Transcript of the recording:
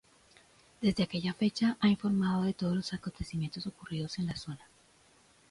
Desde aquella fecha ha informado de todos los acontecimientos ocurridos en la zona.